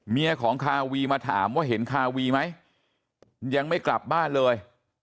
เมียของคาวีมาถามว่าเห็นคาวีไหมยังไม่กลับบ้านเลย